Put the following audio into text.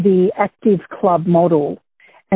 yang disebut model klub aktif